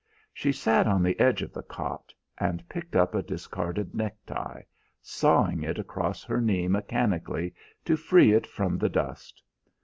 She sat on the edge of the cot and picked up a discarded necktie, sawing it across her knee mechanically to free it from the dust.